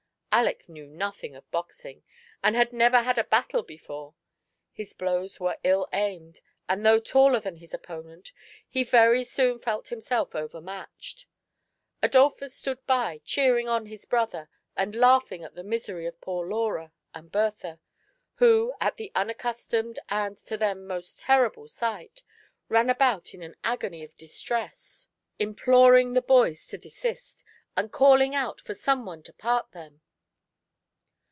Aleck knew nothing of boxing, and had never had a battle before ; his blows were iU aimed, and, though taller than his opponent, he very soon felt himself over matched. Adolphus stood by cheering on his brother, and laughing at the misery of poor Laura and Bertha, who, at the unaccustomed, and to them most terrible sight, ran about in an agony of distress, imploring the SUNDAY AT DOVE S NEST. boys to desist, anil calling out foi' some one to part them.